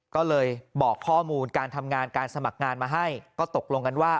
ก็เลยบอกข้อมูลการทำงานการสมัครงานมาให้ก็ตกลงกันว่า